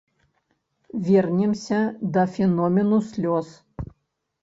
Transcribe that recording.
Вернемся да феномену слёз.